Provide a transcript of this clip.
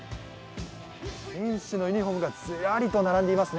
選手のユニフォームがずらりと並んでいますね、